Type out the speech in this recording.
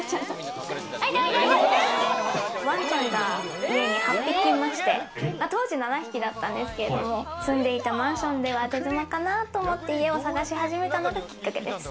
ワンちゃんが家に８匹いまして、当時７匹だったんですけど、住んでいたマンションでは、手狭かなと思って、家を探し始めたのが、きっかけです。